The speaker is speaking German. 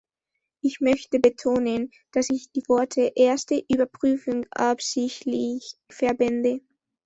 Ich möchte betonen, dass ich die Worte "erste Überprüfung" absichtlich verwende.